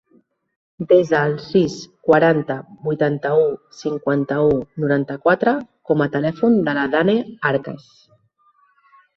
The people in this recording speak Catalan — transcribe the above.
Desa el sis, quaranta, vuitanta-u, cinquanta-u, noranta-quatre com a telèfon de la Dànae Arcas.